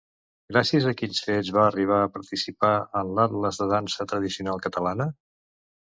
Gràcies a quins fets va arribar a participar en l'Atles de dansa tradicional catalana?